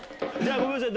ごめんなさい